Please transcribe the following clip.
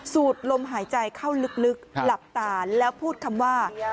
ลมหายใจเข้าลึกหลับตาแล้วพูดคำว่า